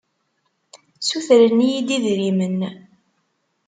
Ssutren-iyi-d idrimen.